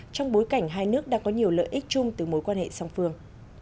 trong bối cảnh hai nước đang có nhiều lợi ích chung từ mối quan hệ song phương